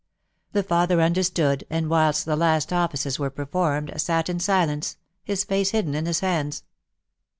The father understood and, whilst the last offices were performed, sat in silence — his face hidden in his hands.